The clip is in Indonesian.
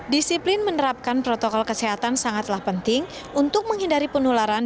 disiplin menerapkan protokol kesehatan sangatlah penting untuk menghindari penularan